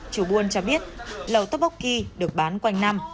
chủ buôn cho biết lẩu topoki được bán quanh năm